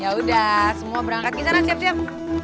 yaudah semua berangkat ke sana siap siap